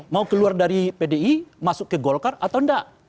mau keluar dari pdi masuk ke golkar atau enggak